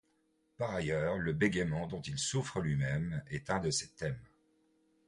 Par ailleurs, le bégaiement dont il souffre lui-même, est un de ses thèmes.